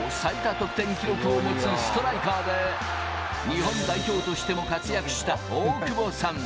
得点記録を持つストライカーで、日本代表としても活躍した大久保さん。